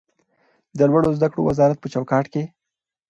د لوړو زده کړو وزارت په چوکاټ کې